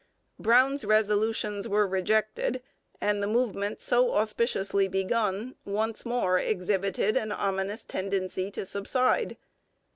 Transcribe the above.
Brown's resolutions were rejected, and the movement so auspiciously begun once more exhibited an ominous tendency to subside.